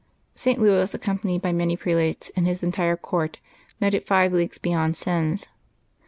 St. Louis, accom panied by many prelates and his entire court, met it five leagues beyond Sens.